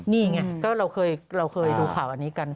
นี่ไงก็เราเคยดูข่าวอันนี้กัน